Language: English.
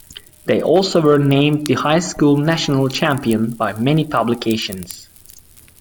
They also were named the High School National Champion by many publications.